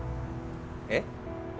えっ？